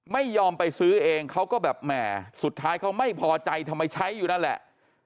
ไม่ยอมไปซื้อเองเขาก็แบบแหมสุดท้ายเขาไม่พอใจทำไมใช้อยู่นั่นแหละ